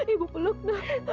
ibu peluk nak